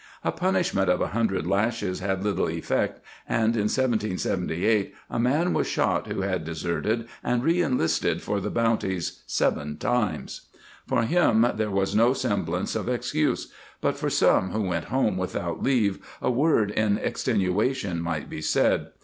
^ A punishment of a hundred lashes had little effect, and in 1778 a man was shot who had deserted and reenlisted for the bounties seven times.* For him there was no semblance of ex cuse, but for some who went home without leave a word in extenuation might be said.